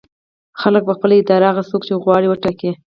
خلک په خپله اراده هغه څوک چې غواړي وټاکي.